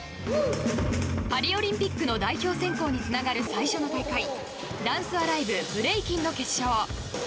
パリオリンピックの代表選考につながる最初の大会ダンス・アライブブレイキンの決勝。